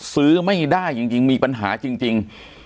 ซื้อไม่ได้จริงมีปัญหาจริง